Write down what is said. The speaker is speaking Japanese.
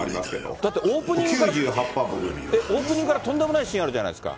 だって、オープニングから、とんでもないシーンあるじゃないですか。